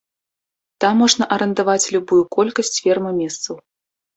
Там можна арандаваць любую колькасць ферма-месцаў.